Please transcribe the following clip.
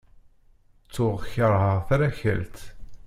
Tuɣ kerheɣ tarakalt.